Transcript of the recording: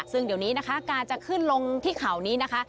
ซึ่งเดี๋ยวนี้นะคะการจะขึ้นลงที่เขานี้นะคะ